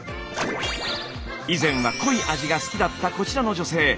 以前は濃い味が好きだったこちらの女性。